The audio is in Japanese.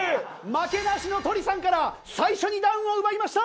負けなしのとりさんから最初にダウンを奪いました！